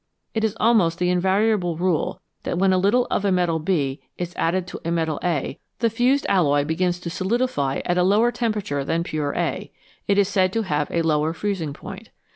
It is almost the invari able rule that when a little of a metal B is added to a metal A, the fused alloy begins to solidify at a lower temperature than pure A ; it is said to have a lower freezing point.